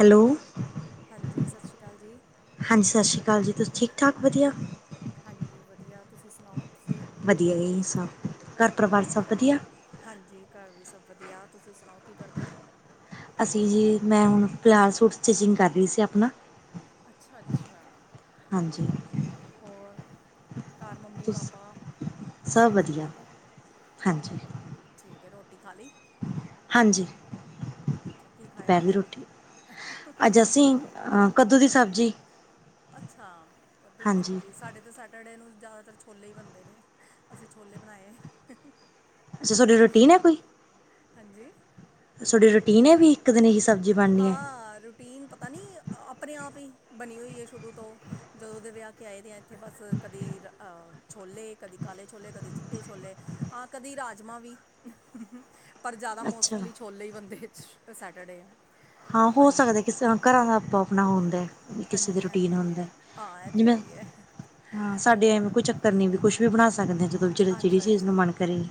Hello. ਹਾਂਜੀ ਸਾਸ਼ਰੀ ਕਾਲ ਜੀ। ਹਾਂਜੀ, ਸਾਸ਼ਰੀ ਕਾਲ ਜੀ ਤੁਸੀਂ ਠੀਕ-ਠਾਕ ਵਧੀਆ? ਹਾਂਜੀ ਵਧੀਆ, ਤੁਸੀਂ ਸੁਣਾਓ? ਤੁਸੀਂ ਵਧੀਆ ਇਹ ਸਭ, ਘਰ ਪਰਿਵਾਰ ਸਭ ਵਧੀਆ? ਹਾਂਜੀ, ਘਰ ਵੀ ਸਭ ਵਧੀਆ, ਤੁਸੀਂ ਸੁਣਾਓ ਕੀ ਕਰਦੇ? ਅਸੀਂ ਜੀ ਮੈਂ ਹੁਣ ਪਿਆਜ ਸੂਟ ਸਟਿਚਿੰਗ ਕਰ ਰੀ ਸੀ, ਆਪਣਾ। ਅੱਛਾ -ਅੱਛਾ ਠੀਕ ਹਾਂਜੀ ਹੈ ਹੋਰ ਘਰ, ਮੰਮੀ- ਤੁਸ ਪਾਪਾ ਸਭ ਠੀਕ ਹੈ ਹਾਂਜੀ। ਠੀਕ ਹੈ, ਰੋਟੀ ਖਾਲ ਲਈ ਹਾਂਜੀ, ਅੱਛਾ ਕੀ ਪਕਾ ਖਾਇਆ ਲੀ ਅੱਜ? ਰੋਟੀ ਅੱਜ ਅਸੀਂ, ਕੱਦੂ ਦੀ ਸਬਜ਼ੀ ਅੱਛਾ, ਕੱਦੂ ਦੀ ਹਾਂਜੀ ਸਬਜ਼ੀ ਸਾਡੇ ਤਾਂ ਸਾਡੇ ਕਟੜੇ ਨੂੰ ਜ਼ਿਆਦਾਤਰ, ਛੋਲੇ ਹੀ ਬਣਦੇ ਨੇ, ਅਸੀਂ ਛੋਲੇ ਬਣਾਏ ਅੱਛਾ, ਤੁਹਾਡੀ ਰੂਟੀਨ ਹੈ ਕੋਈ ਹਾਂਜੀ। ਤੁਹਾਡੀ ਰੂਟੀਨ ਹੈ ਵੀ, ਇੱਕ ਦਿਨ ਹੀ, ਸਬਜ਼ੀ ਬਣੀ ਹਾਂ, ਰੂਟੀਨ ਪਤਾ ਨਈ, ਆਪਣੇ -ਆਪ ਹੀ ਬਣੀ ਹੋਈ ਹੈ ਸ਼ੁਰੂ ਤੋਂ ਜਦੋਂ ਦੇ, ਵਿਆਹ ਕੇ ਆਏ ਦੇ ਆ ਇੱਥੇ, ਬਸ ਕਦੀ ਛੋਲੇ, ਕਦੇ ਕਾਲੇ ਛੋਲੇ, ਕਦੇ ਚਿੱਟੇ ਛੋਲੇ ਆਾਂ, ਕਦੀ ਰਾਜਮਾਂ ਵੀ ਪਰ ਜ਼ਿਆਦਾ, ਅੱਛਾ ਮੋਸਟਲੀ ਛੋਲੇ ਹੀ ਬੰਨਦੇ, ਸੈਟਰਡੇ ਹੈ। ਹਾਂ ਹੋ ਸਕਦਾ, ਕਿਸ ਘਰਾਂ ਦਾ ਆਪੋ- ਆਪਣਾ ਹੁੰਦਾ ਕਿਸੇ ਦੇ ਹਾਂਜੀ ਰੂਟੀਨ ਹਾਂਜੀ ਹੁੰਦਾ ਹਾਂ ਇਹ ਤੇ ਜਿਵੇਂ, ਆਈ ਹੈ ਹਾਂ ਸਾਡੇ ਐਵੇਂ ਔਰ ਕੋਈ ਚੱਕ ਕਰਨੀ ਵੀ, ਕੁਛ ਵੀ ਬਣਾ ਸਕਦੇ ਜਿਹੜੀ ਅੱਛਾ- ਚੀਜ਼ ਨੂੰ ਅੱਛਾ ਮਨ ਕਰੇ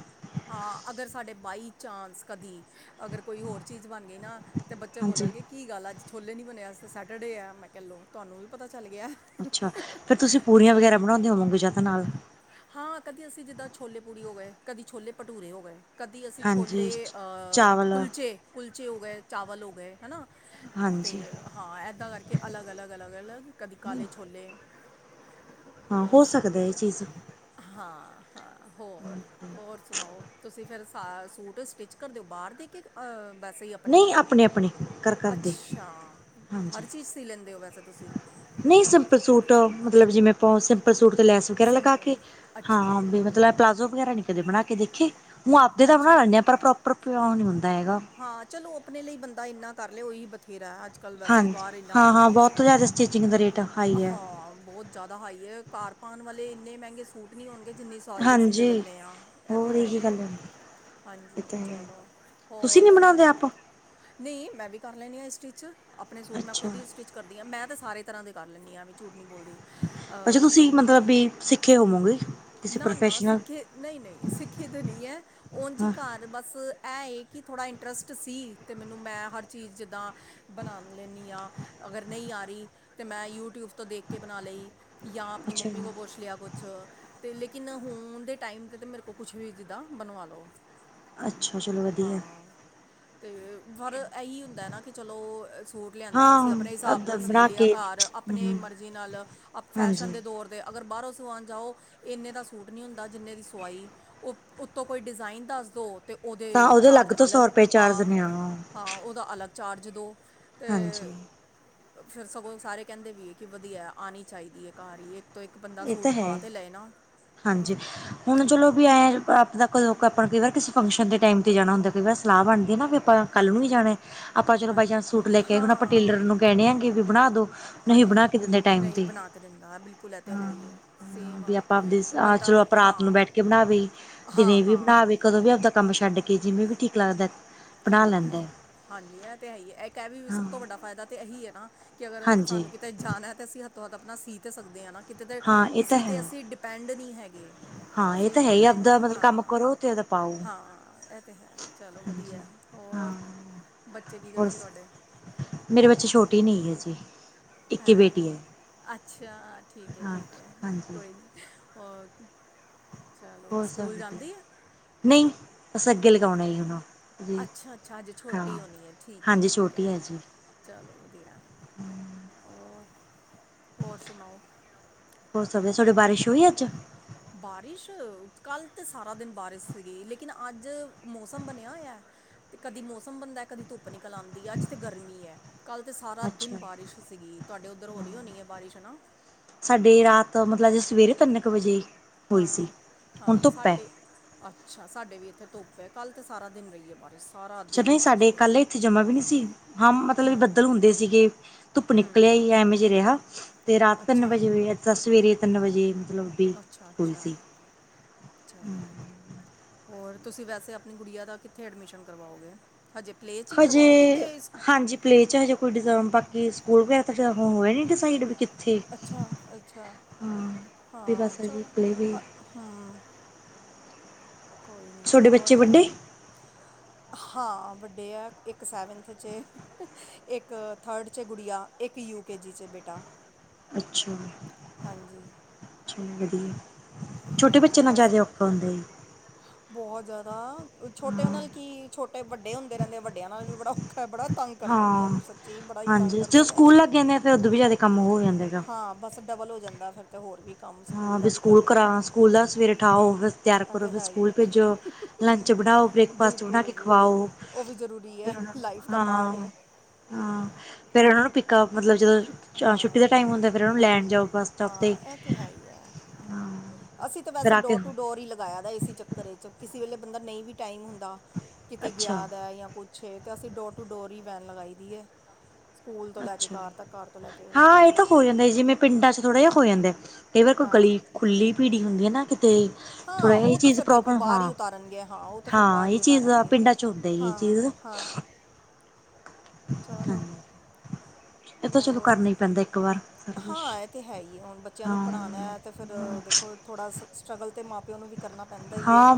ਹਾਂ ਅਗਰ ਸਾਡੇ, ਬਾਈ ਚਾਂਸ ਕਦੀ ਅਗਰ ਕੋਈ ਹੋਰ ਚੀਜ਼, ਬਣ ਗਈ ਨਾ ਅਤੇ ਬੱਚੇ ਹਾਂਜੀ ਬੋਲਣਗੇ, ਕੀ ਗੱਲ ਆ ਅੱਜ ਛੋਲੇ ਨਹੀਂ ਬਣੇ ਤਾਂ ਸੈਟਰਡੇ ਐ, ਮੈਂ ਕਹਿ ਲਓ ਤੁਹਾਨੂੰ, ਵੀ ਪਤਾ ਚੱਲ ਗਿਆ ਅੱਛਾ, ਫੇਿਰ ਤੁਸੀਂ ਪੂਰੀਆਂ ਵਗੈਰਾ ਬਣਾਉਂਦੇ, ਹੋਵੋਗੇ ਜਿਆਦਾ ਨਾਲ ਹਾਂ ਕਦੀ ਅਸੀਂ ਜਿੱਦਾਂ, ਛੋਲੇ ਪੂੜੀ ਹੋ ਗਏ, ਕਦੀ ਛੋਲੇ ਭਟੂਰੇ ਹੋ ਗਏ ਕਦੀ ਅਸੀਂ, ਛੋਲੇ ਹਾਂਜੀ ਚਾਵਲ ਕੁਲਚੇ- ਕੁਲਚੇ ਹੋ ਗਏ ਚਾਵਲ, ਹੋ ਗਏ ਹੈ ਨਾ ਤੇ, ਹਾਂਜੀ ਹਾਂ ਏਦਾਂ ਕਰਕੇ, ਅਲੱਗ -ਅਲੱਗ -ਅਲੱਗ ਅਲੱਗ, ਕਦੀ ਕਾਲੇ ਛੋਲੇ ਹਾਂ, ਹੋ ਬਸ ਸਕਦੇ ਇਹ ਚੀਜ਼ ਹਾਂ- ਹਾਂ ਹੋਰ -ਹੋਰ ਸੁਣਾਓ? ਤੁਸੀਂ ਫਿਰ ਸੂਟ ਸਟਿੱਚ ਕਰਦੇ ਓ, ਬਾਹਰ ਦੇ ਕੇ ਵੈਸੇ ਹੀ ਆਪਣੇ ਨਹੀਂ ਆਪਣੇ ਕਰ ਕਰਦੇ ਅੱਛਾ, ਹਾਂਜੀ ਹਰ ਚੀਜ਼ ਸੀ ਲੈਂਦੇ ਹੋ ਵੈਸੇ ਤੁਸੀਂ ਨਹੀਂ ਸਿੰਪਲ ਸੂਟ, ਮਤਲਬ ਜਿਵੇਂ ਪਾ ਸਿੰ ਪਰ ਸੂਟ ਤੇ ਲੈਸ ਵਗੈਰਾ ਲਗਾ ਸਿੰਪਲ ਕੇ, ਅੱਛਾ ਹਾਂ ਵੀ ਮਤਲਬ ਪਲਾਜ਼ੋ ਵਗੈਰਾ, ਨੀ ਕਦੇ ਬਣਾ ਕੇ ਦੇਖੇ ਹੂੰਮਾਪੇ ਤਾਂ ਬਣਾ, ਅੱਛਾ ਲੈਦੇ ਪਰ ਪ੍ਰੋਪਰ ਪਿਉ ਨਹੀਂ ਹੁੰਦਾ ਹੈਗਾ ਹਾਂ ਚਲੋ, ਆਪਣੇ ਲਈ ਬੰਦਾ ਇੰਨਾ ਕਰ ਲਏ, ਉਹੀ ਬਥੇਰਾ ਅੱਜ- ਕੱਲ੍ਹ ਵੈਸੇ ਹੀ ਹਾਂਜੀ ਬਾਹਰ ਇੰਨਾ ਹਾਂ ਹਾਂ ਬਹੁਤ ਜ਼ਿਆਦਾ, ਸਟਟੀਚਿੰਗ ਦਾ ਰੇਟ ਆ ਹਾਂ ਬਹੁਤ ਜ਼ਿਆਦਾ ਹਾਈ ਹੈ, ਘਰ ਪਾੳਣ ਵਾਲੇ ਇੰਨੇ ਮਹਿੰਗੇ ਸੂਟ ਨਹੀਂ, ਹੋਣਗੇ ਜਿੰਨੇ ਸਈ ਅਸੀਂ ਦੇ ਹਾਂਜੀ ਦਿੰਦੇ ਹਾਂ, ਇਹ ਹੋਰ ਤਾਂ ਹੈ ਇਹੀ ਹੀ ਹੈ ਗੱਲ ਇਹ ਹਾਂਜੀ, ਤਾਂ ਹੈ ਚਲੋ ਤੁਸੀਂ ਹੋਰ ਨੀ ਬਣਾਉਂਦੇ ਸੁਣਾਓ? ਆਪ ਨਈ ਮੈਂ ਵੀ ਕਰ ਲੈਂਣੀ ਹਾਂ ਇਹ ਸਟਿਚ, ਆਪਣੇ ਸੂਟ ਮੈਂ ਅੱਛਾ ਖੁਦ ਹੀ ਸਟਿਚ ਕਰਦੀ ਹਾਂ, ਮੈਂ ਤਾਂ ਸਾਰੇ ਤਰ੍ਹਾਂ ਦੇ ਕਰ ਲੈਣੀ ਆ ਐਵੇ, ਵੀ ਝੂਠ ਨਹੀਂ ਬੋਲਦੀ ਅੱਛਾ ਅ, ਤੁਸੀਂ, ਮਤਲਬ ਪੈਟ ਸਿੱਖੇ ਹੋਵੋਗੇ ਕਿਸੇ ਨਾ -ਨਾ ਪ੍ਰੋਫੈਸ਼ਨਲ ਸਿੱਖੇ ਨਹੀਂ -ਨਹੀਂ ਸਿੱਖੇ ਤਾਂ ਨਈ ਐ ਉਂਝ ਜੀ ਹਾਂ ਘਰ ਬਸ ਐਂ, ਇਹ ਕਿ ਥੋੜ੍ਹਾ ਇੰਟਰਸਟ ਸੀ, ਅਤੇ ਮੈਨੂੰ ਮੈਂ ਹਰ ਚੀਜ਼ ਜਿੱਦਾਂ ਬਣਾ ਲੈਦੀ ਹਾਂ, ਅਗਰ ਨਹੀਂ ਆ ਰਹੀ ਤਾਂ, ਮੈਂ ਯੂਟਿਊਵ ਤੋਂ ਦੇਖ ਕੇ ਬਣਾ ਲਈ ਜਾਂ, ਆਪਣੀ ਅੱਛਾ ਮੰਮੀ ਕੋ ਪੁੱਛ ਲਿਆ ਕੁਛ ਤੇ ਲੇਕਿਨ ਹੁਣ ਦੇ ਟਾਈਮ ' ਤੇ ਮੇਰੇ ਕੋਲ ਕੁਛ ਵੀ ਜਿੱਦਾਂ ਬਣਵਾ ਲੋ। ਅੱਛਾ ਚਲੋ ਵਧੀਆ ਹਾਂ, ਤੇ ਪਰ ਇਹੀ ਹੁੰਦਾ ਨਾ ਕਿ ਚਲੋ ਸੂਟ ਲਿਆਂਦਾ ਹਾਂ ਅਸੀਂ ਆਪਣੇ ਹਿਸਾਬ ਏਦਾਂ ਨਾਲ ਸੀ ਬਣਾ ਲਿਆ ਕੇ ਘਰ ਆਪਣੇ ਹਮ ਮਰਜ਼ੀ ਨਾਲ ਫੈਸ਼ਨ ਹਾਂਜੀ ਦੇ ਦੌਰ ਦੇ ਅਗਰ ਬਾਹਰੋਂ ਸਮਾਣ ਜਾਓ- ਇੰਨੇ ਦਾ ਸੂਟ ਨਹੀਂ ਹੁੰਦਾ ਜਿੰਨੇ ਦੀ ਸਵਾਈ, ਉਹ ਉੱਤੋਂ ਕੋਈ ਡਿਜ਼ਾਇਨ ਦੱਸ ਦੋ ਤੇ ਤਾਂ ਉਹਦੇ ਅਲੱਗ ਚਾਰਜ ਤੋਂ ਅਲਗ, ਸੌ ਰੁਪਏ ਚਾਰਜ ਹਾਂ। ਨੇ ਹਾਂ ਉਹਦਾ ਅਲਗ ਚਾਰਜ ਦੋ, ਤੇ ਹਾਂਜੀ ਫਿਰ ਸਗੋਂ ਸਾਰੇ ਕਹਿੰਦੇ ਵੀ ਹੈ ਕਿ ਵਧੀਆ ਆਣੀ ਚਾਹੀਦੀ ਹੈ ਘਰ ਤੋਂ ਇੱਕ ਬੰਦਾ ਇਹ ਸੂਟ ਪਾ ਹੈ ਤਾਂ ਲਏ ਨਾ। ਹਾਂਜੀ। ਹੁਣ ਚਲੋ ਵੀ ਐਂ ਆਪ ਆਪਾਂ ਕਈ ਵਾਰ ਕਿਸੇ ਫੰਕਸ਼ਨ ਦੇ ਟਾਈਮ ਤੇ ਜਾਣਾ ਹੁੰਦਾ ਕਈ ਵਾਰ ਸਲਾਹ ਬਣਦੀ ਨਾ ਆਪਾਂ ਕੱਲ੍ਹ ਨੂੰ ਵੀ ਹਾਂਜੀ ਜਾਣਾ, ਆਪਾਂ ਚਲੋ ਬਾਾਈ ਹਾਂਜੀ ਚਾਂਸ ਸੂਟ ਲੈ ਕੇ ਆਏ ਹੁਣ ਆਪਾਂ ਟੇਲਰ ਹਾਂ ਨੂੰ ਕਹਿਣੇ ਆ ਕਿ ਵੀ ਬਣਾ ਦੋ। ਨਹੀਂ ਹਾਂਜੀ ਬਣਾ ਕੇ ਦਿੰਦੇ ਟਾਈਮ ਨਹੀਂ ਤੇ। ਬਣਾ ਦਿੰਦਾ ਬਿਲਕੁਲ ਇਹ ਤੇ ਹੈ ਹਾਂ ਹੀ ਹੈ। ਸੇਮ ਵੀ ਆ ਆਪਾਂ ਆਵਦੇ ਹਾਂ ਬੰਦਾ ਚਲੋ ਆਪਾਂ ਰਾਤ ਨੂੰ ਹਾਂ ਬੈਠ ਕੇ ਬਣਾਵੇ, ਦਿਨ ਹਾਂ ਵੀ ਹਾਂ ਬਣਾਵੇ ਕਦੋਂ ਵੀ ਆਵਦਾ ਕੰਮ ਛੱਡ ਕੇ ਜਿਵੇਂ ਵੀ ਠੀਕ ਲੱਗਦਾ। ਬਣਾ ਲੈਂਦਾ ਹਾਂਜੀ, ਹਾਂਜੀ ਇਹ ਤੇ ਹੈ ਹੀ ਇਹ ਇਹ ਵੀ ਸਭ ਹਾਂ ਤੋਂ ਵੱਡਾ ਫਾਇਦਾ ਤੇ ਇਹੀ ਹੈ ਨਾ- ਕਿ ਅਗਰ ਹਾਂਜੀ ਸਨੂੰ ਕਿਤੇ ਜਾਣਾ ਹੈ ਤਾਂ ਅਸੀਂ ਹੱਥੋਂ ਹੱਥ ਆਪਣਾ ਸੀ ਤਾਂ ਸਕਦੇ ਹਾਂ ਨਾ ਕਿਤੇ ਤੇ ਹਾਂ ਇਹ ਤਾਂ ਕਿਸੀ ਤੇ ਹੈ ਅਸੀਂ ਡੀ- ਪੈਂਡ ਨੀ ਹੈਗੇ। ਹਾਂ ਇਹ ਅਸੀਂ ਤਾਂ ਹੈ ਹੀ ਖੁਦ ਆਪਦਾ ਮਤਲਬ ਕੰਮ ਹਾਂ, ਕਰੋ ਅਤੇ ਉਹਦਾ ਪਾਓ ਹਾਂ ਇਹ ਤੇ ਹੈ ਚਲੋ ਹਾਂਜੀ ਵਧੀਆ। ਹਾਂ ਹੋਰ ਬੱਚੇ ਕੀ ਹੋਰ ਕਰਦੇ ਤੁਹਾਡੇ? ਮੇਰੇ ਬੱਚੇ ਛੋਟੀ ਨਹੀਂ ਹੈ ਨਹੀਂ ਅਜੇ। ਹੈਂ, ਅੱਛਾ ਠੀਕ ਹੈ ਹਾਂ ਠੀਕ ਹੈ ਹਾਂਜੀ ਕੋਈ ਨਹੀਂ ਓਕੇ ਹੋ ਸਕਦੀ, ਨਹੀਂ। ਬਸ ਅੱਗੇ ਅੱਛਾ ਲਗਾਉਣਾ ਜੀ ਹਨੂੰ, ਜੀ ਅੱਛਾ ਅੱਛਾ ਅਜੇ ਹਾਂ ਛੋਟੀ ਹੋਣੀ ਹੈ ਠੀਕ ਹੈ ਹਾਂਜੀ ਠੀਕ ਛੋਟੀ ਹੈ ਜੀ। ਚਲੋ ਵਧੀਆ। ਹੋਰ, ਹੋਰ ਸੁਣਾਓ। ਹੋ ਸਕਦੇ ਤੁਹਾਡੇ ਬਾਰਿਸ਼ ਹੋਈ ਅੱਜ? ਬਾਰਿਸ਼ ਕੱਲ੍ਹ ਤਾਂ ਸਾਰਾ ਦਿਨ ਬਾਰਿਸ਼ ਸੀਗੀ ਲੇਕਿਨ ਅੱਜ ਮੌਸਮ ਬਣਿਆ ਹੋਇਆ। ਤੇ ਕਦੀ ਮੌਸਮ ਬੰਦਾ ਕਦੀ ਧੁੱਪ ਨਿਕਲ ਆਉਂਦੀ ਹੈ ਅੱਜ ਤੇ ਗਰਮੀ ਐ। ਕੱਲ੍ਹ ਤੇ ਸਾਰਾ ਦਿਨ ਅੱਛਾ ਬਾਰਿਸ਼ ਸੀਗੀ ਤੁਹਾਡੇ ਉੱਧਰ ਹੋ ਰਹੀ ਹੋਣੀ ਹੈ ਬਾਰਿਸ਼ ਹਨਾ। ਸਾਡੇ ਰਾਤ ਮਤਲਬ ਅੱਜ ਸਵੇਰੇ ਤਿੰਨ ਕੁ ਵਜੇ ਹੋਈ ਸੀ ਹਾਂ, ਹੁਣ ਹਾਂ ਧੁੱਪ ਹੈ ਸਾਡੇ- ਅੱਛਾ ਸਾਡੇ ਵੀ ਇੱਥੇ ਧੁੱਪ ਹੈ ਕੱਲ੍ਹ ਤਾਂ ਸਾਰਾ ਦਿਨ ਰਹੀ ਏ ਬਾਰਿਸ਼। ਸਾਰਾ ਅੱਛਾ ਦਿਨ ਨਹੀਂ ਬਾਰਿਸ਼ ਸਾਡੇ ਰਹੀ ਕੱਲ ਹੈ ਇੱਥੇ ਜਮਾ ਵੀ ਨਹੀਂ ਸੀ, ਹਾਂ ਮਤਲਬ ਬੱਦਲ ਹੁੰਦੇ ਸੀਗੇ। ਧੁੱਪ ਨਿਕਲ ਆਈ ਐਮੇ ਜੇ ਰਿਹਾ। ਤੇ ਰਾਤ ਤਿੰਨ ਅੱਛਾ ਵਜੇ ਹੋਈ ਦੇ ਸਵੇਰੇ ਤਿੰਨ ਵੱਜੇ ਮਤਲਬ ਵੀ ਅੱਛਾ ਹੋਈ ਅੱਛਾ ਸੀ। ਚਲੋ, ਹੋਰ ਤੁਸੀਂ ਵੈਸੇ ਆਪਣੀ ਗੁੜੀਆ ਦਾ ਕਿੱਥੇ ਐਡਮਿਸ਼ਨ ਕਰਵਾਓਗੇ? ਹਜੇ ਪਲੇ 'ਚ ਹੀ ਕਰਵਾਓਗੇ ਕਿ ਇਸ ਪਲੇ 'ਚ ਹਜੇ ਕੋਈ ਡੀਜ਼ਇਮ ਬਾਕੀ ਸਕੂਲ ਵਗੈਰਾ ਤਾਂ ਹੁਣ ਹੋਇਆ ਨੀ ਡਿਸਾਈਡ ਵੀ ਕਿ ਅੱਛਾ ਅੱਛਾ, ਵੀ ਹਾਂ ਬਸ ਹਜੇ ਚਲੋ ਪਲੇਅ ਵੀ ਹੂੰ। ਕੋਈ ਨੀ, ਤੁਹਾਡੇ ਬੱਚੇ ਹੋਰ। ਵੱਡੇ ਹਾਂ ਵੱਡੇ ਐ ਇੱਕ ਸੈਵਨਥ 'ਚ ਏ, ਇੱਕ ਥਰਡ 'ਚ ਏ ਗੁਡੀਆਂ, ਇੱਕ ਯੂ ਕੇ ਜੀ 'ਚ ਏ ਬੇਟਾ। ਅੱਛਾ, ਹਾਂਜੀ ਅੱਛਾ ਵਧੀਆ। ਛੋਟੇ ਹਾਂ ਬੱਚੇ ਨਾਲ ਬਸ ਜ਼ਿਆਦਾ ਔਖਾ ਹੁੰਦਾ ਹੈ। ਬਹੁਤ ਜ਼ਿਆਦਾ ਛੋਟੇ ਉਹ ਹਾਂ ਨਾਲ ਕੀ ਛੋਟੇ ਵੱਡੇ ਹੁੰਦੇ ਰਹਿੰਦੇ ਆ, ਵਡੇ ਵਡਿਆਂ ਨਾਲ ਵੀ ਬੜਾ ਔਖਾ ਹੈ। ਬੜਾ ਤੰਗ ਕਰਦੇ ਨੇ ਹਾਂ ਸੱਚੀ ਬੜਾ ਹੀ ਤੰਗ ਕਰਦੇ ਨੇ। ਫੇਰ ਉਦੋਂ ਵੀ ਜਿਆਦਾ ਕੰਮ ਹੋ ਗਿਆ। ਹਾਂ ਬਸ ਡਬਲ ਹੋ ਜਾਂਦਾ, ਫਿਰ ਤੇ ਹੋਰ ਵੀ। ਕੰਮ ਹਾਂ, ਵੀ ਦਾ ਸਕੂਲ ਕਰਨਾ ਕਰਾਂ ਸਕੂਲ ਦਾ ਸਵੇਰੇ ਉਠਾਓ ਤਿਆਰ ਇਹ ਕਰੋ। ਤੇ ਫਿਰ ਹੈ ਹੀ ਸਕੂਲ ਹੈ ਭੇਜੋ ਲੰਚ ਬਣਾਓ ਬ੍ਰੇਕਫਾਸਟ ਬਣਾ ਬਿਲਕੁਲ ਕੇ ਖਵਾਓ। ਫਿਰ ਉਹਨਾਂ ਨੂੰ ਤਪਾਡੇ ਹਾਂ ਹਾਂ, ਫਿਰ ਉਹਨਾਂ ਨੂੰ ਪਿੱਕਾ ਮਤਲਬ ਜਦੋਂ ਛੁੱਟੀ ਦਾ ਹਾਂ ਟਾਈਮ ਹੁੰਦਾ। ਫਿਰ ਉਹਨੂੰ ਲੈਣ ਜਾਓ ਬੱਸ ਸਟਾਪ ਤੇ ਹਾਂ ਇਹ ਹੈ ਅਸੀਂ ਤਾਂ ਫਿਰ ਵੈਸੇ ਆ ਕੇ ਡੋਰ ਟੂ ਡੋਰ ਹੀ ਲਾਇਆ ਤਾਂ, ਇਸੇ ਚੱਕਰ ਚ ਕਿਸੇ ਵੇਲੇ ਬੰਦਾ ਨਹੀਂ ਵੀ ਟਾਈਮ ਹੁੰਦਾ, ਕਿਤੇ ਅੱਛਾ ਗਿਆ ਦਾ ਜਾਂ ਕੁਛ ਛੇ ਤੇ ਅਸੀਂ ਡੋਰ ਟੂ ਡੋਰ ਹੀ ਵੈਨ ਲਗਾਈ ਦੀ ਹੈ। ਸਕੂਲ ਤੋਂ ਲੈ ਕੇ ਅੱਛਾ ਕਾਰ ਤੱਕ ਘਰ ਤੋਂ ਲੈ ਕੇ ਹਾਂ, ਇਹ ਸਕੂਲ ਤਾਂ ਹੋ ਜਾਂਦਾ ਜਿਵੇਂ ਪਿੰਡਾਂ ਚ ਥੋੜ੍ਹਾ ਜਿਹਾ ਹੋ ਜਾਂਦਾ ਕਈ ਵਾਰ ਕੋਈ ਹਾਂ ਗਲੀ ਖੁੱਲੀ ਪੀੜੀ ਹੁੰਦੀ ਨਾ। ਤੇ ਥੋੜਾ ਹਾਂ ਇਹ ਉਹ ਤੇ ਚੀਜ਼ ਫਿਰ ਦੇਖੋ ਪ੍ਰੋਬਲਮ ਬਾਹਰ ਹੀ ਹਾਂ। ਉਤਾਰਨਗੇ ਹਾਂ ਉਹ ਤੇ ਫਿਰ ਹਾਂ ਬਾਹਰ ਹੀ ਇਹ ਚੀਜ਼ ਉਤਾਰਨਗੇ ਪਿੰਡਾਂ ਚ ਚੁਦ ਜ ਹਾਂ ਚੀਜ਼ ਨੂੰ ਹਾਂ ਚਲੋ ਇਹ ਤਾਂ ਚਲੋ ਹੋਰ, ਕਰਨਾ ਹੀ ਪੈਂਦਾ ਇੱਕ ਵਾਰ ਸਾਰਾ ਕੁਛ ਹਾਂ ਇਹ ਤੇ ਹੈ ਹੀ ਹੁਣ ਬੱਚਿਆਂ ਨੂੰ ਹਾਂ ਪੜ੍ਹਾਉਣਾ ਹੈ। ਤੇ ਫਿਰ ਦੇਖੋ ਥੋੜ੍ਹਾ ਸਟਰਗਲ ਅਤੇ ਮਾਂ ਪਿਓ ਨੂੰ ਵੀ ਕਰਨਾ ਪੈਂਦਾ। ਹੀ ਹੈ ਹਾਂ,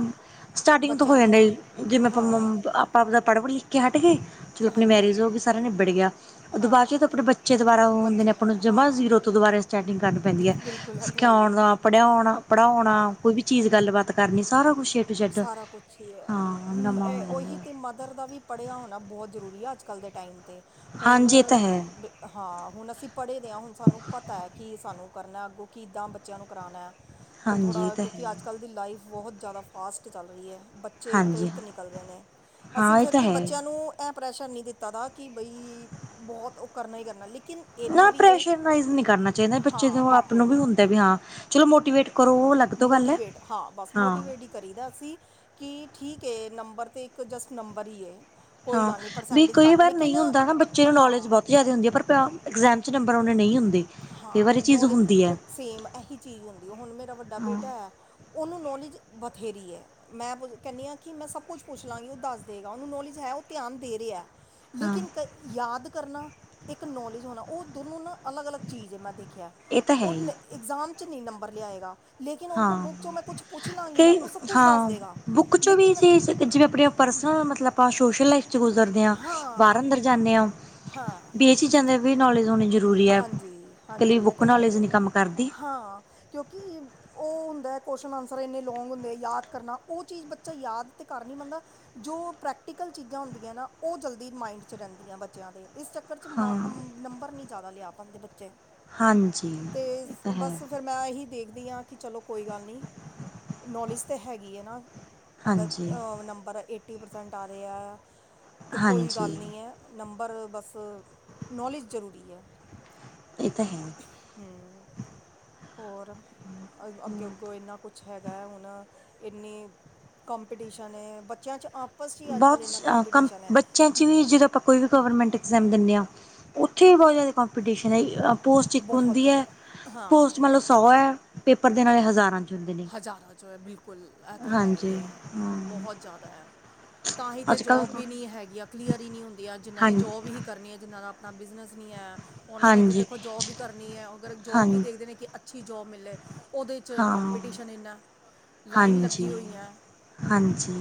ਸਟਾਰਟਿੰਗ ਤੋਂ ਹੋ ਬੱਚਿਆਂ ਜਾਂਦਾ ਨੂੰ ਜੀ ਜਿਵੇਂ ਆਪਾਂ ਹਾਂ ਆਪ ਆਪਦਾ ਪੜ੍ਹਵੀਏ। ਹਟ ਗਏ। ਚਲੋ ਆਪਣੀ ਹਾਂਜੀ ਮੈਰਿਜ ਹੋ ਗਈ ਸਾਰਾ ਨਿਬੜ ਗਿਆ ਉਦੋਂ ਬਾਅਦ ਚ ਹਾਂ ਆਪਣੇ ਬੱਚੇ ਦੁਬਾਰਾ ਉਹ ਹੁੰਦੇ ਨੇ ਬੱਚਿਆਂ ਆਪਾਂ ਨੂੰ ਜਮ੍ਹਾਂ ਹਾਂ ਜ਼ੀਰੋ ਤੋਂ ਦੁਬਾਰਾ ਸਟਾਰਟਿੰਗ ਕਰਨੀ ਪੈਂਦੀ ਹੈ। ਬਿਲਕੁਲ ਇਹ ਤਾਂ ਹੈ ਹੀ ਸਿਖਾਉਣ ਹੈ ਦਾ ਪੜ੍ਹਿਆਉਣਾ ਹਾਂ ਪੜ੍ਹਾਉਣਾ ਕੋਈ ਵੀ ਚੀਜ਼ ਗੱਲਬਾਤ ਕਰਨੀ ਸਾਰਾ ਕੁਛ ਏ ਟੂ ਜੈਡ ਸਾਰਾ ਕੁਛ ਹੀ ਹੈ। ਹਾਂ ਨਵਾਂ ਹੋ ਉਹੀ ਜਾਂਦਾ ਤੇ ਮਦਰ ਦਾ ਵੀ ਪੜ੍ਹਿਆ ਹੋਣਾ ਬਹੁਤ ਜ਼ਰੂਰੀ ਆ। ਅੱਜ ਕੱਲ੍ਹ ਦੇ ਟਾਈਮ 'ਤੇ ਹੁਣ ਹਾਂਜੀ ਇਹ ਤਾਂ ਹੈ ਹਾਂ, ਹੁਣ ਅਸੀਂ ਪੜ੍ਹੇ ਦੇ ਹਾਂ। ਹੁਣ ਸਾਨੂੰ ਪਤਾ ਹੈ ਕਿ ਸਾਨੂੰ ਕਰਨਾ ਅੱਗੋਂ ਕੀ ਕਿੱਦਾਂ ਬੱਚਿਆਂ ਨੂੰ ਕਰਾਉਣਾ। ਅਤੇ ਹਾਂਜੀ ਇਹ ਥੋੜ੍ਹਾ ਤਾਂ ਹੈ ਕਿਉਂਕਿ ਅੱਜ ਕੱਲ੍ਹ ਦੀ ਲਾਈਫ ਬਹੁਤ ਜ਼ਿਆਦਾ ਫਾਸਟ ਚੱਲ ਰਹੀ ਹੈ। ਬੱਚੇ ਇੱਕ ਤੋਂ ਹਾਂਜੀ ਇੱਕ ਨਿਕਲ ਰਹੇ ਨੇ। ਅਸੀਂ ਹਾਂ ਇਹ ਫਿਰ ਤਾਂ ਵੀ ਹੈ ਬੱਚਿਆਂ ਨੂੰ ਪ੍ਰੈਸ਼ਰ ਨਹੀਂ ਦਿੱਤਾ‌। ਕਿ ਬਈ ਬਹੁਤ ਉਹ ਕਰਨਾ ਹੀ ਕਰਨਾ। ਲੇਕਿਨ ਇੰਨਾ ਨਾ ਵੀ ਹੈ ਪ੍ਰੈਸ਼ਈਜ਼ ਨਹੀਂ ਕਰਨਾ ਚਾਹੀਦਾ। ਬੱਚੇ ਹਾਂ ਆਪ ਨੂੰ ਬਿਲਕੁਲ ਵੀ ਹੁੰਦਾ ਵੀ ਹਾਂ। ਚਲੋ, ਮੋਟੀਵੇਟ ਕਰੋ। ਉਹ ਅੱਲਗ ਤੋਂ ਗੱਲ ਹੈ। ਮੋਟੀਵੇਟ ਹਾਂ, ਬਸ ਮੋਟੀਵੇਟ ਹੀ ਕਰੀਦਾ ਅਸੀਂ ਕਿ ਠੀਕ ਹੈ। ਨੰਬਰ ' ਇੱਕ ਜਸਟ ਨੰਬਰ ਹੀ ਕੋਈ ਹਾਂ, ਗੱਲ ਨਹੀਂ ਵੀ ਪਰਸੈਂਟੇਜ ਕਈ ਘੱਟ ਵਾਰ ਨਹੀਂ ਲੇਕਿਨ ਹੁੰਦਾ ਹਨ ਨਾ ਬੱਚੇ ਨੂੰ ਨੌਲੇਜ ਹਾਂ ਬਹੁਤ ਜ਼ਿਆਦਾ ਹੁੰਦੀ ਹੈ। ਪਰ ਇਗਜ਼ਾਮ 'ਚ ਨੰਬਰ ਆਉਣੇ ਨਹੀਂ ਹੁੰਦੇ। ਕਈ ਵਾਰ ਹਾਂ ਇਹ ਚੀਜ਼ ਨੌਲੇਜ ਹੁੰਦੀ ਹੈ। ਸੇਮ, ਇਹੀ ਚੀਜ਼ ਹੁੰਦੀ‌। ਉਹ ਹੁਣ ਮੇਰਾ ਵੱਡਾ ਹਾਂ ਬੇਟਾ ਹੈ। ਉਹਨੂੰ ਨੌਲੇਜ ਬਥੇਰੀ ਹੈ। ਮੈਂ ਕਹਿੰਦੀ ਹਾਂ। ਕਿ ਮੈਂ ਸਭ ਕੁਝ ਪੁੱਛ ਲਾਂਗੀ ਉਹ ਦੱਸ ਦੇਵੇਗਾ ਉਹਨੂੰ ਨੌਲੇਜ ਹੈ। ਉਹ ਧਿਆਨ ਦੇ ਰਿਹਾ। ਹਾਂ ਲੇਕਿਨ ਯਾਦ ਕਰਨਾ, ਇੱਕ ਨੌਲੇਜ ਹੋਣਾ ਉਹ ਦੋਨੋਂ ਨਾ ਅਲੱਗ-ਅਲਗ ਚੀਜ਼ ਹੈ। ਮੈਂ ਦੇਖਿਆ। ਇਹ ਤਾਂ ਹੈ ਉਹ ਹੀ ਇਗਜ਼ਾਮ ' ਨਹੀਂ ਨੰਬਰ ਲਿਆਏਗਾ। ਲੇਕਿਨ, ਉਹ ਕੋ ਹਾਂ ਬੁੱਕ ਜੋ ਮੈਂ ਕੁਛ ਪੁੱਛ ਲਾਂਗੀ ਨਾ ਕਈ ਉਹ ਸਭ ਕੁਛ ਦੱਸ ਦੇਗਾ। ਲੇਕਿਨ ਅਤੇ, ਜਿਵੇਂ ਆਪਣੇ ਆਪ ਪਰਸਨਲ ਮਤਲਬ ਆਪਾਂ ਸੋਸ਼ਲ ਲਾਈਫ 'ਚ ਗੁਜ਼ਰਦੇ ਹਾਂ ਬਾਹਰ ਅੰਦਰ ਜਾਂਦੇ ਹਾਂ। ਹਾਂ ਵੀ ਚੀਜ਼ਾਂ ਦੇ ਵੀ ਨੌਲੇਜ ਹੋਣੀ ਜ਼ਰੂਰੀ ਹੈ। ਹਾਂਜੀ ਇਕ ਲਈ ਹਾਂਜੀ ਇਹ ਬੁੱਕ ਤੇ ਹੈ ਹੀ ਨੌਲੇਜ ਹੈ ਨਹੀਂ ਕੰਮ ਕਰਦੀ ਹਾਂ। ਕਿਉਂਕਿ ਉਹ ਹੁੰਦਾ ਕੋਸ਼ਨ ਆਨਸਰ ਇੰਨੇ ਲੋਂਂਗ ਹੁੰਦੇ ਯਾਦ ਕਰਨਾ। ਉਹ ਚੀਜ਼ ਬੱਚਾ ਯਾਦ ਤੇ ਕਰ ਨੀ ਪਾਂਦਾ ਜੋ ਪ੍ਰੈਕਟੀਕਲ ਚੀਜ਼ਾਂ ਹੁੰ ਦੀਆਂ ਉਹ ਜਲਦੀ ਮਾਈੰਡ ਚ ਰਹਿੰਦੀਆਂ ਬੱਚਿਆਂ ਦੇ ਇਸ ਚੱਕਰ ਚ ਹਾਂ ਮਾਂ ਮ ਨੰਬਰ ਨ੍ਹੀਂ ਜ਼ਿਆਦਾ ਲਿਆ ਪਾਂਦੇ ਬੱਚੇ ਹਾਂਜੀ ਤੇ ਇਹ ਤਾਂ ਹੈ ਬਸ ਫੇਰ ਮੈਂ ਇਹੀ ਦੇਖਦੀ ਆਂ ਕਿ ਚਲੋ ਕੋਈ ਗੱਲ ਨਈਂ, ਨੌਲੇਜ ਤਾਂ ਹੈਗੀ ਹੈ ਨਾ ਅਗਰ ਹਾਂਜੀ ਅ ਨੰਬਰ ਏਟੀ ਪਰਸੈਂਟ ਆਰੇ ਐ ਤੇ ਕੋਈ ਗੱਲ ਹਾਂਜੀ ਨੀ ਐਂ, ਨੰਬਰ ਬਸ ਨੌਲੇਜ ਜ਼ਰੂਰੀ ਐ। ਇਹ ਤਾ ਹੈ। ਹਂ, ਹੋਰ ਅੱਗੇ ਅੱਗੋਂ ਇੰਨਾ ਕੁਛ ਕੁਛ ਹੈਗਾ ਹੁਣ ਇੰਨੀ ਕੰਪੀਟੀਸ਼ਨ ਏ ਬੱਚਿਆਂ ਚ ਆਪ ਆਪਸ ਚੀ ਅੱਜ-ਕੱਲ ਇੰਨਾ ਕੰ ਮ ਬੱਚਿਆਂ ਚ ਵੀ ਜਿਦਾ ਪਾਂ ਕੋਈ ਵੀ ਗਵਰਮੈਂਟ ਐਗਜ਼ਾਮ ਦਿੰਣੇ ਆਂ, ਉੱਥੇ ਵੀ ਬਹੁਤ ਜ਼ਿਆਦਾ ਕੰਪੀਟੀਸ਼ਨ ਐ। ਅਪ ਪੋਸਟ ਇੱਕ ਬਹੁਤ ਹੁੰਦੀ ਏ, ਜ਼ਿਆਦਾ ਹਾਂ ਪੋਸਟ ਮਤਲਬ ਸੌ ਐ, ਪੇਪਰ ਦੇਣ ਵਾਲੇ ਹਜ਼ਾਰਾਂ ਚ ਹੁੰਦੇ ਨੇ। ਹਜ਼ਾਰਾ ਚੋ ਹੈ ਬਿਲਕੁਲ ਇਹ ਤਾਂ ਹੈ ਈ ਹਾਂਜੀ ਐ ਹਾਂ ਬਹੁਤ ਜ਼ਿਆਦਾ ਐ। ਤਾਂ ਹੀ ਤੇ ਅੱਜ ਕੱਲ੍ਹ ਜੋਬ ਵੀ ਨ੍ਹੀਂ ਹੈਗੀਆਂ, ਕਲੀਅਰ ਈ ਨਈਂ ਹੁੰਦੀਆਂ ਜਿਹਨ੍ਹਾਂ ਹਾਂ ਨੇ ਜੋਬ ਹੀ ਕਰਨੀ ਐ, ਜਿੰਨਾ ਦਾ ਆਪਣਾ ਬਿਜ਼ਨਸ ਨਈਂ ਹੈ ਉਹਨਾਂ ਨੇ ਤਾਂ ਹਾਂਜੀ ਦੇਖੋ ਜੋਬ ਹੀ ਕਰਨੀ ਐ, ਅਗਰ ਹਾਂ ਜੋਬ ਵੀ ਦੇਖਦੇ ਨੇ ਕਿ ਅੱਛੀ ਜੋਬ ਮਿਲੇ ਉਹਦੇ ਚ ਕੰਪ ਹਾਂ ਕੰਪਟੀਸ਼ਨ ਇਨਾ ਲਾਈਨ ਲੱਗੀ ਹਾਂਜੀ ਹੋਈਆਂ। ਹਾਂਜੀ,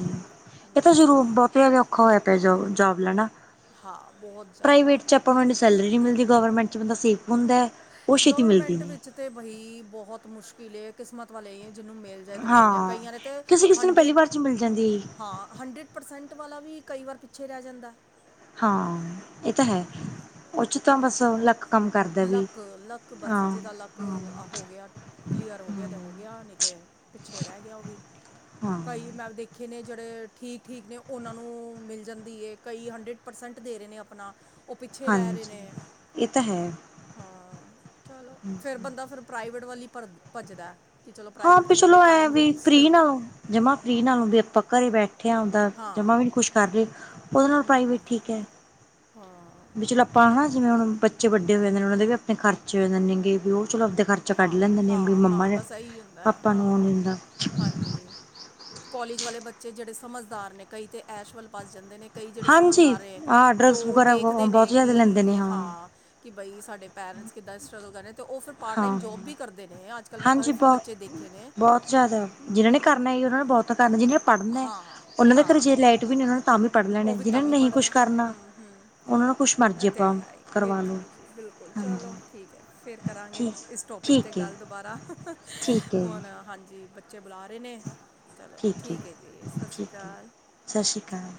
ਇਹ ਤਾਂ ਜ਼ਰੂਰ ਬਹੁਤਆ ਦਾ ਔਖਾ ਹੋਇਆ ਪਿਆ ਜੋ ਜੋਬ ਲੈਣਾ। ਹਾਂ ਬਹੁਤ ਜ਼ਿਆਦਾ ਪ੍ਰਾਈਵੇਟ ਚ ਆਪਾਂ ਨੂੰ ਏਨੀ ਸੈਲਰੀ ਨੀ ਮਿਲਦੀ ਗਵਰਮੈਂਟ ਚ ਬੰਦਾ ਸੇਫ ਹੁੰਦਾ ਉਹ ਛੇਤੀ ਮਿਲਦੀ ਗਵਰਮੈਂਟ ਨਹੀਂ ਵਿੱਚ ਤਾਂ ਬਹੀ ਬਹੁਤ ਮੁਸ਼ਕਿਲ ਐ ਕਿਸਮਤ ਵਾਲੇ ਜਿਹਨੂੰ ਮਿਲ ਤਾਂ ਮਿਲ ਜਾਏ ਹਾਂ ਕਈਆਂ ਦੇ ਤੇ ਕਿਸੇ ਕਿਸੇ ਨੂੰ ਪਹਿਲੀ ਹੰਡਰੇਡ ਵਾਰ 'ਚ ਮਿਲ ਜਾਂਦੀ ਹਾਂ ਹੰਡਰੇਡ ਪਰਸੈਂਟ ਵਾਲਾ ਵੀ ਕਈ ਵਾਰ ਪਿੱਛੇ ਰਹਿ ਜਾਂਦਾ। ਹਾਂ ਇਹ ਤਾਂ ਹੈ ਉਹਚ ਤਾਂ ਬਸ ਲ ਲੱਕ ਲੱਕ ਬੱਸ ਜਿਹਦਾ ਲੱਕ ਹਾਂ ਅਹ ਹੋ ਗਿਆ, ਕਲੀਅਰ ਹੋ ਗਿਆ ਤੇ ਹੋ ਗਿਆ ਨਈਂ ਤੇ ਪਿੱਛੇ ਰਹਿ ਗਿਆ ਉਹ ਵੀ। ਹਾਂ ਕਈ ਮੈਂ ਦੇਖੇ ਨੇ ਜਿਹੜੇ ਠੀਕ ਠੀਕ ਨੇ ਉਹਨਾਂ ਨੂੰ ਮਿਲ ਜਾਂਦੀ ਐ ਕਈ ਹੰਡਰੇਡ ਪਰਸੈਂਟ ਦੇ ਰਹੇ ਨੇ ਆਪਣਾ। ਉਹ ਪਿੱਛੇ ਰਹਿ ਰਹੇ ਹਾਂਜੀ, ਨੇ ਇਹ ਤਾਂ ਹੈ। ਹਾਂ ਚਲੋ, ਫੇਰ ਬੰਦਾ ਫੇਰ ਪ੍ਰਾਈਵੇਟ ਵਲ ਹੀ ਭ ਭੱਜਦਾ। ਕਿ ਚਲੋ ਹਾਂ ਪ੍ਰਾਈਵੇਟ ਤੇ ਕਰੀਏ ਪਿਛਲੋ ਟਾਈਮ ਏਵੀ ਫਰੀ ਵੇਸਟ ਨਾ ਜਮਾ ਫਰੀ ਨਾਲੋ ਵੀ ਆਪਾਂ ਘਰੇ ਬੈਠੇਆਂ ਆਪਦਾ ਹਾਂ ਜਮਾ ਵੀ ਨੀ ਕੁਛ ਕਰ ਰਹੇ ਉਹਦੇ ਨਾਲ ਪ੍ਰਾਈਵੇਟ ਠੀਕ ਐ। ਹਾਂ। ਵੀ ਚਲੋ ਆਪਾਂ ਹਨਾ ਜਿਵੇਂ ਹੁਣ ਬੱਚੇ ਵੱਡੇ ਹੋਏ ਜਾਂਦੇ ਨੇ, ਉਹਨਾਂ ਦੇ ਵੀ ਆਪਣੇ ਖਰਚੇ ਹੋ ਜਾਂਦੇ ਨੇਗੇ ਵੀ ਉਹ ਚਲੋ ਆਪਦੇ ਖਰਚੇ ਚ ਕੱਢ ਹਾਂ ਲੈਂਦੇ ਨੇ ਵੀ ਹਾਂ ਹਾਂ ਮੰਮਾ ਨੇ ਬਸ ਇਹੀ ਹੁੰਦਾ ਹੈ, ਪਾਪਾ ਹਾਂ ਨੂੰ [unintelligible] ਹਾਂਜੀ, ਕੋਲਜ ਵਾਲੇ ਬੱਚੇ ਜਿਹੜੇ ਸਮਝਦਾਰ ਨੇ ਕਈ ਤੇ ਐਸ਼ ਵੱਲ [unintelligible] ਜਾਂਦੇ ਨੇ ਕਈ ਜਿਹੜੇ ਹਾਂਜੀ ਸਮਝਦਾਰ ਐ, ਆਹ ਡਰੱਗਸ ਜੋ ਵਗੈਰਾ ਦੇਖਦੇ ਬਹੁਤ ਨੇ ਜ਼ਿਆਦਾ ਲੈਂਦੇ ਨੇ ਕਿ ਹਾਂ ਕਿ ਬਈ ਸਾਡੇ ਪੇਰੈਂਟਸ ਕਿੱਦਾਂ ਸਟਰਗਲ ਕਰ ਰਹੇ ਨੇ ਤੇ ਉਹ ਫਿਰ ਪਾਰਟ ਟਾਈਮ ਹਾਂ ਜੋਬ ਵੀ ਕਰਦੇ ਨੇ ਅੱਜ-ਕੱਲ੍ਹ ਮੈਂ ਹਾਂਜੀ ਕਾਫੀ ਬਹੁਤ ਬੱਚੇ ਦੇਖੇ ਨੇ। ਬਹੁਤ ਜ਼ਿਆਦਾ ਜਿਹਨਾਂ ਨੇ ਕਰਨਾ ਉਹਨਾਂ ਨੇ ਬਹੁਤਾ ਕਰਨਾ ਜਿਹਨਾਂ ਨੇ ਪੜ੍ਹਨਾ ਹਾਂ ਉਹਨਾਂ ਦੇ ਘਰ ਹਾਂ ਜੇ ਲਾਈਟ ਵੀ ਨਈਂ ਉਹਨਾਂ ਨੂੰ ਤਾਂ ਵੀ ਪੜ੍ਹ ਉਹ ਲੈਣੇ ਵੀ ਜਿਹਨਾਂ ਨੇ ਤਾਂਵੀਂ ਨਹੀਂ ਕੁਛ ਪੜ੍ਹਨਾ ਕਰਨਾ ਹਂ, ਹਂ। ਉਹਨਾਂ ਨੂੰ ਕੁਛ ਇਹ ਮਰਜ਼ੀ ਤੇ ਆਪਾਂ ਹੈ ਹੀ ਕਰਵਾ ਲਉ ਬਿਲਕੁਲ ਜੀ ਬਿਲਕੁਲ ਹਾਂਜੀ ਚਲੋ ਠੀਕ ਐ, ਫੇਰ ਕਰਾਂਗੇ ਠੀਕ ਇਸ ਟੋਪਿਕ ਤੇ ਠੀਕ ਹੈ ਗੱਲ ਦੁਬਾਰਾ ਠੀਕ ਹੈ ਜੀ ਹੁਣ ਹਾਂਜੀ ਬ ਬੱਚੇ ਬੁਲਾ ਰਹੇ ਨੇ, ਚਲੋ ਠੀਕ ਐਜੀ ਸਤਿ ਸ਼੍ਰੀ ਠੀਕ ਹੈ ਅਕਾਲ। ਸਤਿ ਸ਼੍ਰੀ ਅਕਾਲ।